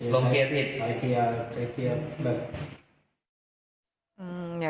ลงเทียมผิดใช่ใช่ลงเทียม